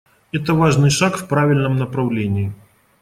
Это важный шаг в правильном направлении.